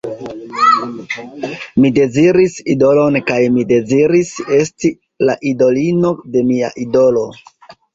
Mi deziris idolon kaj mi deziris esti la idolino de mia idolo.